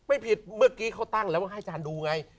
ไม่ผิดเมื่อกี้เขาตั้งแล้วมาให้อาจารย์ดูไง